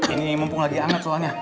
ini mumpung lagi hangat soalnya